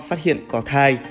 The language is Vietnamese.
phát hiện có thai